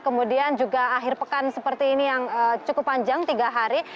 kemudian juga akhir pekan seperti ini yang cukup panjang tiga hari